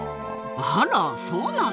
あらそうなの？